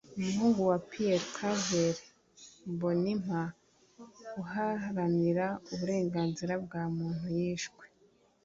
umuhungu wa Pierre-Claver Mbonimpa uharanira uburenganzira bwa muntu yishwe